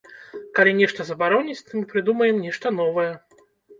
Калі нешта забароняць, то мы прыдумаем нешта новае.